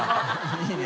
いいね。